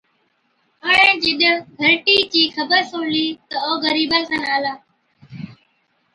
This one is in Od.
اُڻهين جِڏ گھَرٽِي چِي خبر سُڻلِي، تِہ او غرِيبا کن آلا،